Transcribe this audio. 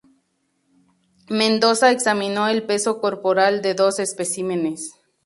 M. Mendoza examinó el peso corporal de dos especímenes.